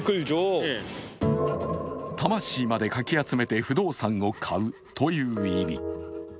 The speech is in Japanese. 魂までかき集めて不動産を買うという意味。